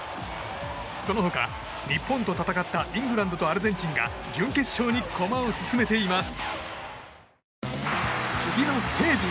その他、日本と戦ったイングランドとアルゼンチンが準決勝に駒を進めています。